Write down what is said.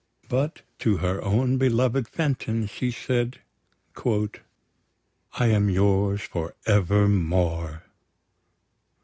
But to her own beloved Fenton, she said: "I am yours for evermore!"